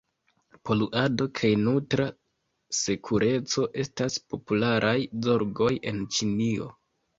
Poluado kaj nutra sekureco estas popularaj zorgoj en Ĉinio.